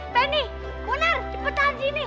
penny munar cepetan sini